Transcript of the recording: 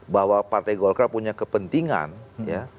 bahwa partai golkar punya kepentingan ya